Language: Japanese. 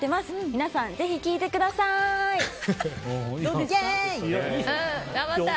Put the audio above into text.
皆さん、ぜひ聴いてください。頑張った。